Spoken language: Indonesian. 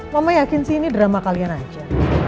mama yakin sih ini drama kalian aja